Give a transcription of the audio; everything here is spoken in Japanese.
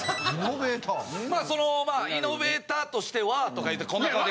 まあその「イノベーターとしては」とか言うてこんな顔で。